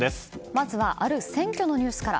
まずはある選挙のニュースから。